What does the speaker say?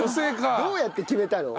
どうやって決めたの？